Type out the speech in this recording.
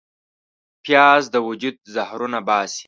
پیاز د وجود زهرونه وباسي